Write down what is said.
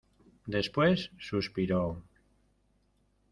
después suspiró: